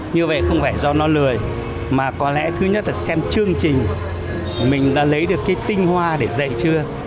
như vậy không phải do nó lười mà có lẽ thứ nhất là xem chương trình mình đã lấy được cái tinh hoa để dạy chưa